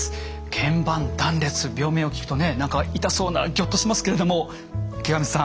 腱板断裂病名を聞くとね何か痛そうなぎょっとしますけれども池上さん。